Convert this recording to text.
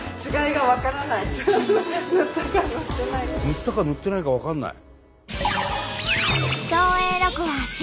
「塗ったか塗ってないか分かんない」？